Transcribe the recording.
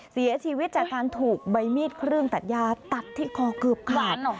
เสียชีวิตจากการถูกใบมีดเครื่องตัดยาตัดที่คอเกือบขาด